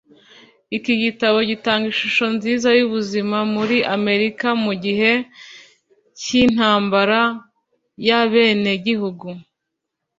iki gitabo gitanga ishusho nziza yubuzima muri amerika mugihe cyintambara yabenegihugu